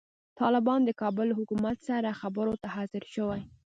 طالبان د کابل له حکومت سره خبرو ته حاضر شوي.